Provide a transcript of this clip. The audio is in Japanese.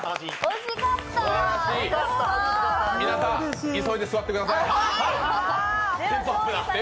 皆さん、急いで座ってください。